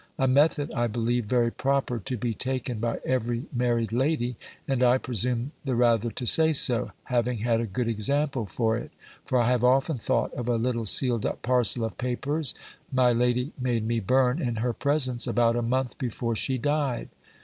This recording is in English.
A method, I believe, very proper to be taken by every married lady; and I presume the rather to say so, having had a good example for it: for I have often thought of a little sealed up parcel of papers, my lady made me burn in her presence, about a month before she died.